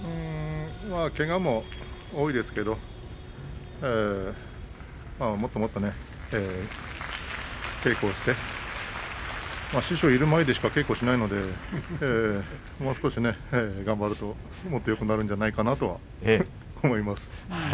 けがも多いですけれどももっともっと稽古して師匠がいる前でしか稽古しないのでもう少し頑張るとよくなるんじゃないかなと思います。